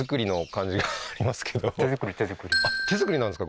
あっ手造りなんですか？